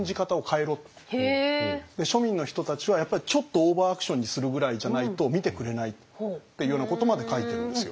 で庶民の人たちはやっぱりちょっとオーバーアクションにするぐらいじゃないと見てくれないっていうようなことまで書いてるんですよ。